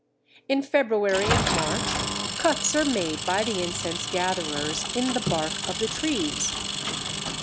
In February and March, cuts are made by the incense gatherers in the bark of the trees.